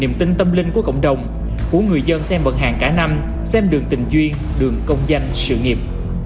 nhiều tính tâm linh của cộng đồng của người dân xem vận hàng cả năm xem đường tình duyên đường công doanh sự nghiệp